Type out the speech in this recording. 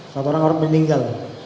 satu orang orang meninggal